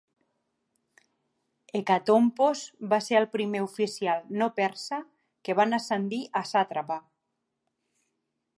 Hecatompos va ser el primer oficial no persa que van ascendir a sàtrapa.